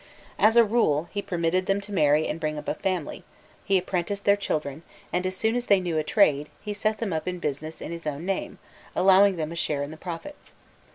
As a rule, he permitted them to marry and bring up a family; he apprenticed their children, and as soon as they knew a trade, he set them up in business in his own name, allowing them a share in the profits.